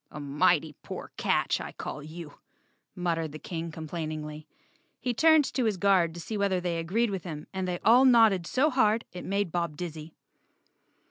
"A mighty poor catch, I call you," muttered the King complainingly. He turned to his guard to see whether they agreed with him and they all nodded so hard it made Bob dizzy.